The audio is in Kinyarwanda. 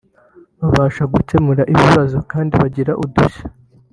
babasha gukemura ibibazo kandi bagira udushya